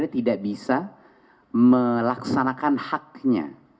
tidak bisa melaksanakan haknya